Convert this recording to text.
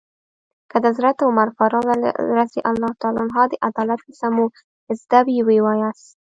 که د حضرت عمر فاروق رض د عدالت کیسه مو زده وي ويې وایاست.